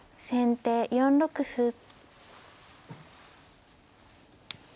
先手４六歩。